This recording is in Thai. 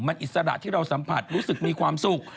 มันอิสระที่เราสัมผัสรู้สึกมีความสุข